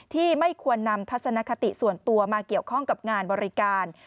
ไม่ควรนำทัศนคติส่วนตัวมาเกี่ยวข้องกับงานบริการ